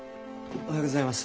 おはようございます。